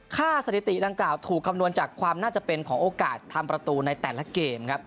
สถิติดังกล่าวถูกคำนวณจากความน่าจะเป็นของโอกาสทำประตูในแต่ละเกมครับ